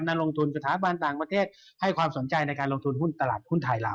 นักลงทุนสถาบันต่างประเทศให้ความสนใจในการลงทุนหุ้นตลาดหุ้นไทยเรา